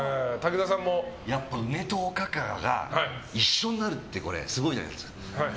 梅とおかかが一緒になるってすごいじゃないですか。